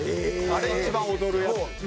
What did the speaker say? あれ一番踊るやつですね。